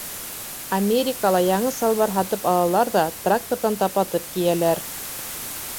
Америкала яңы салбар һатып алалар ҙа тракторҙан тапатып кейәләр.